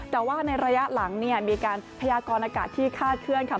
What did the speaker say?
แต่ว่าในระยะหลังเนี่ยมีการพยากรอากาศที่คาดเคลื่อนค่ะ